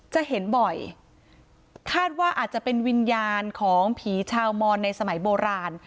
จะเห็นบ่อยคาดว่าอาจจะเป็นวิญญาณของผีชาวมอนในสมัยโบราณ